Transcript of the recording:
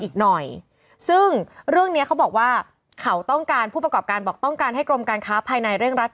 เขาต้องการผู้ประกอบการบอกต้องการให้กรมการค้าภายในเร่งรัฐ